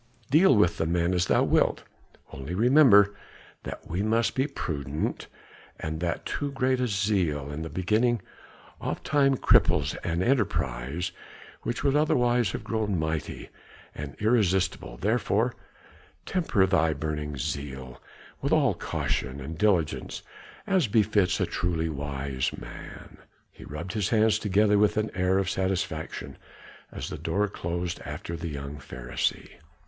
Deal with the men as thou wilt; only remember that we must be prudent, and that too great zeal in the beginning oftentimes cripples an enterprise which would otherwise have grown mighty and irresistible, therefore temper thy burning zeal with all caution and diligence as befits a truly wise man." He rubbed his hands together with an air of satisfaction as the door closed after the young Pharisee.